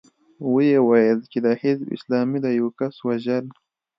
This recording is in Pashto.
ويې ويل چې د حزب اسلامي د يوه کس وژل.